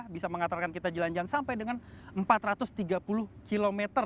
bisa mengantarkan kita jalan jalan sampai dengan empat ratus tiga puluh km